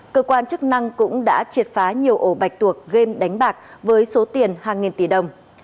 cơ quan chức năng cũng đã triệt phá nhiều ổ bạch tuộc game đánh bạc với số tiền hàng nghìn tỷ đồng